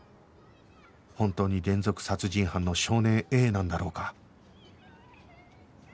本当に連続殺人犯の少年 Ａ なんだろうか？